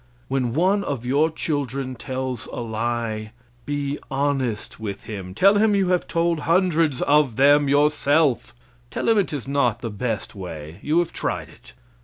When one of your children tells a lie, be honest with him; tell him you have told hundreds of them yourself. Tell him it is not the best way; you have tried it.